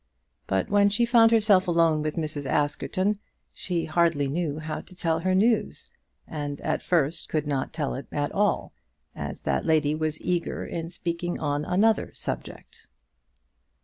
But when she found herself alone with Mrs. Askerton she hardly knew how to tell her news; and at first could not tell it at all, as that lady was eager in speaking on another subject.